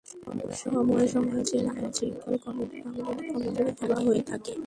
সময়ে সময়ে জেলা আইনশৃঙ্খলা কমিটি নামক একটি কমিটিরও সভা হয়ে থাকে।